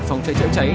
phòng cháy chữa cháy